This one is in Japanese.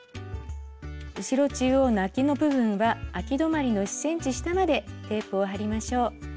後ろ中央のあきの部分はあき止まりの１ｃｍ下までテープを貼りましょう。